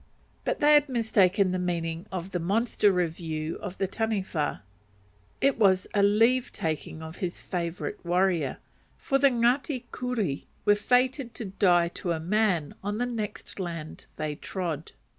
But they had mistaken the meaning of the monster review of the Taniwha. It was a leave taking of his favourite warrior; for the Ngati Kuri were fated to die to a man on the next land they trod.